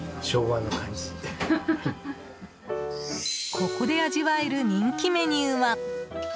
ここで味わえる人気メニューは。